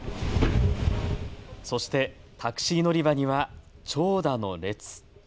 そして、タクシー乗り場には長蛇の列。